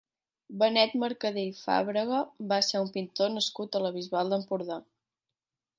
Benet Mercadé i Fàbrega va ser un pintor nascut a la Bisbal d'Empordà.